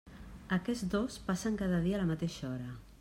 Aquests dos passen cada dia a la mateixa hora.